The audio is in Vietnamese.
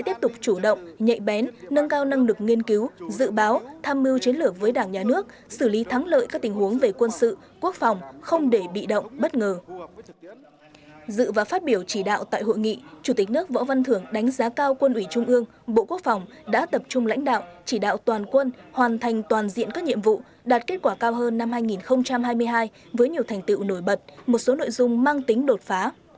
trong biểu chỉ đạo tại hội nghị chủ tịch nước võ văn thưởng đánh giá cao quân ủy trung ương bộ quốc phòng đã tập trung lãnh đạo chỉ đạo toàn quân hoàn thành toàn diện các nhiệm vụ đạt kết quả cao hơn năm hai nghìn hai mươi hai với nhiều thành tựu nổi bật một số nội dung mang tính đột phá